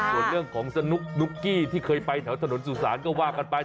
ส่วนเรื่องของสนุกนุ๊กกี้ที่เคยไปแถวถนนสุสานก็ว่ากันไป